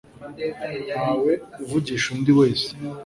ntawe uvugisha undi wese